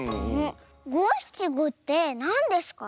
ごしちごってなんですか？